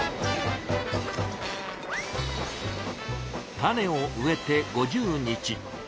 種を植えて５０日。